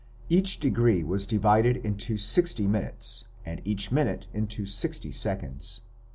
Each degree was divided into sixty minutes, and each minute into sixty seconds.